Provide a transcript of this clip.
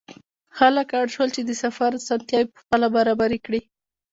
خلک اړ شول چې د سفر اسانتیاوې پخپله برابرې کړي.